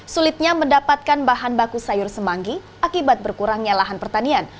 sulitnya mendapatkan bahan baku sayur semanggi akibat berkurangnya lahan pertanian